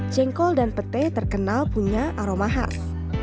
jengkol dan petai terkenal punya aroma khas